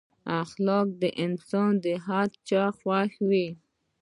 اخلاقي انسان د هر چا خوښ وي.